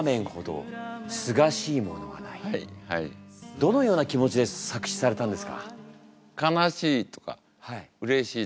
どのような気持ちで作詞されたんですか？